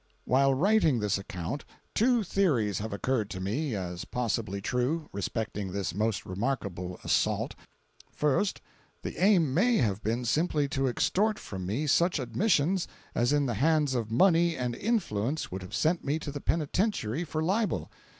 While writing this account two theories have occurred to me as possibly true respecting this most remarkable assault: First—The aim may have been simply to extort from me such admissions as in the hands of money and influence would have sent me to the Penitentiary for libel.